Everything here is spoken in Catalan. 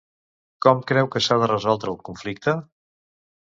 Com creu que s'ha de resoldre el conflicte?